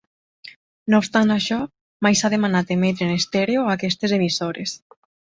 No obstant això, mai s'ha demanat emetre en estèreo a aquestes emissores.